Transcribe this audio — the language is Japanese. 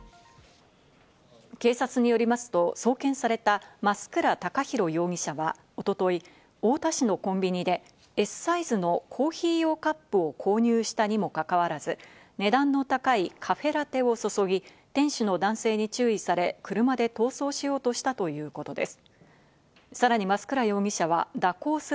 警察によりますと送検された増倉孝弘容疑者は一昨日、太田市のコンビニでＳサイズのコーヒー用カップを購入したにもかかわらず、値段の高いカフェラテを注ぎ、店主の男性に注意され、車で逃走お天気です。